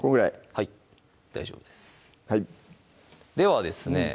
はい大丈夫ですではですね